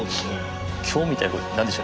今日みたく何でしょう